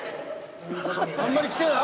あんまりきてない